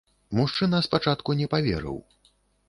Мужчына спачатку не паверыў.